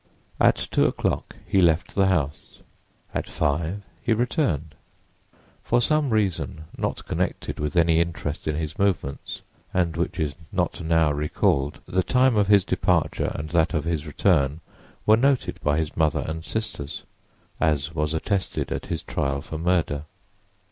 At two o'clock he left the house. At five, he returned. For some reason not connected with any interest in his movements, and which is not now recalled, the time of his departure and that of his return were noted by his mother and sisters, as was attested at his trial for murder.